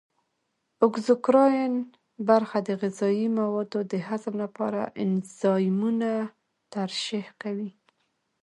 اګزوکراین برخه د غذایي موادو د هضم لپاره انزایمونه ترشح کوي.